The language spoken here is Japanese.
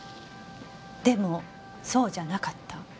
でもそうじゃなかった。